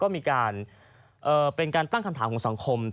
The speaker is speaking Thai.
ก็มีการเป็นการตั้งคำถามของสังคม